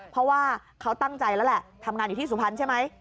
เพราะว่าเขาตั้งใจแล้วแหละทำงานอยู่ที่สุพรรณใช่ไหม